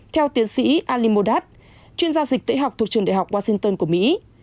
theo tiến sĩ ali moddad chuyên gia dịch tễ học thuộc trường đại học washington của mỹ